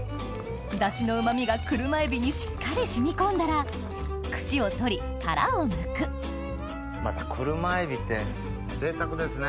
ダシのうま味が車エビにしっかり染み込んだら串を取り殻をむくまた車エビって贅沢ですね。